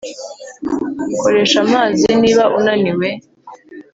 koresha amazi niba unaniwe